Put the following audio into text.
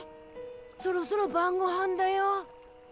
そろそろばんごはんだよ。